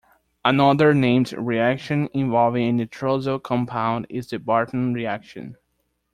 Another named reaction involving a nitroso compound is the Barton reaction.